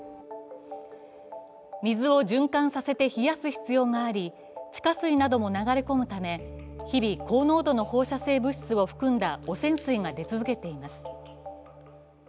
水を循環させて冷やす必要があり地下水なども流れ込むため日々、高濃度の放射性物質を含んだ汚染水が出続けています。